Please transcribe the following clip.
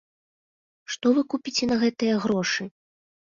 Што вы купіце на гэтыя грошы?